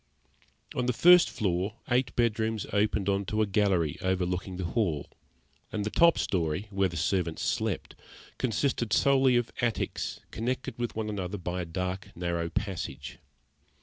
On the first floor eight bedrooms opened on to a gallery overlooking the hall, and the top storey, where the servants slept, consisted solely of attics connected with one another by dark, narrow passages.